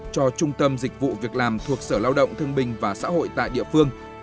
cho trung tâm dịch vụ việc làm thuộc sở lao động thương bình và xã hội tại địa phương